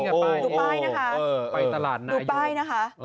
ดูป้ายนะคะดูป้ายนะคะ